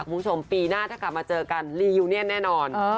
คุณผู้ชมปีหน้าถ้ากลับมาเจอกันลียูเนียนแน่นอน